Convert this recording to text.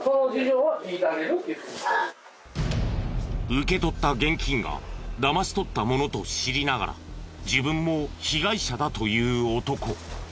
受け取った現金がだまし取ったものと知りながら自分も被害者だと言う男。